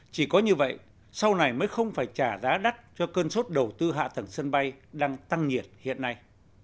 chỉ có như vậy sau này mới không phải trả giá đắt cho cơn sốt đầu tư hạ tầng sân bay đang tăng nhiệt hiện nay